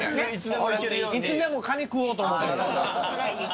いつでもカニ食おうと思うて。